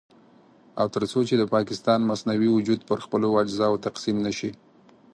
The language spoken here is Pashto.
او تر څو چې د پاکستان مصنوعي وجود پر خپلو اجزاوو تقسيم نه شي.